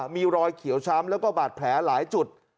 มีรอยเขียวช้ำแล้วก็บาดแผลหลายจุด